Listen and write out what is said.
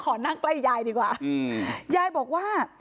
ขอนั่งใกล้ยายดีกว่า